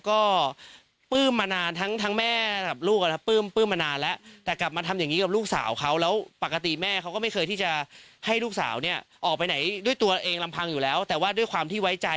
ออกไปไหนด้วยตัวเองลำพังอยู่แล้วแต่ว่าด้วยความที่ไว้ใจ